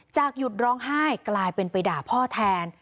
หยุดร้องไห้กลายเป็นไปด่าพ่อแทน